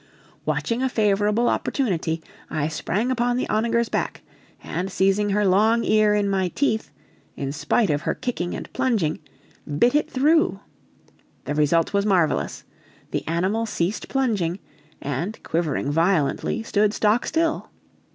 Watching a favorable opportunity, I sprang upon the onager's back, and seizing her long ear in my teeth, in spite of her kicking and plunging, bit it through. The result was marvelous, the animal ceased plunging, and, quivering violently, stood stock still.